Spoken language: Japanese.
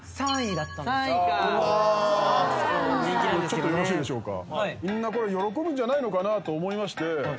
ちょっとよろしいでしょうか。